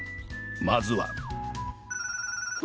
まずは